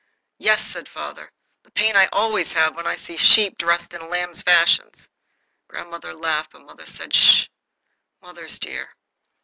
"Yes," said father, "the pain I always have when I see sheep dressed lamb fashion." Grandmother laughed, but mother said: "Sh!" Mother's dear.